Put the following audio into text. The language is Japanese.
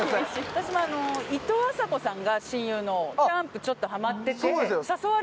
私もあのいとうあさこさんが親友のキャンプちょっとハマっててあっ